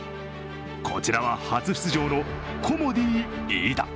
こちらは初出場のコモディイイダ。